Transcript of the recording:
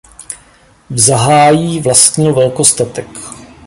V Zahájí vlastnil velkostatek.